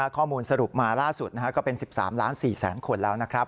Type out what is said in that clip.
ข้อมูลสรุปมาล่าสุดก็เป็น๑๓ล้าน๔แสนคนแล้วนะครับ